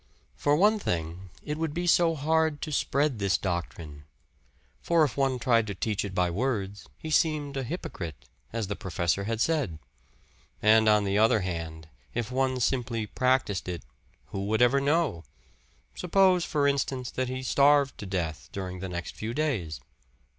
For one thing, it would be so hard to spread this doctrine. For if one tried to teach it by words, he seemed a hypocrite, as the professor had said; and on the other hand, if one simply practiced it, who would ever know? Suppose, for instance, that he starved to death during the next few days?